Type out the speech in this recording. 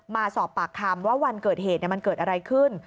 มาสอบปากคำว่าวันเกิดเหตุมันเกิดอะไรขึ้น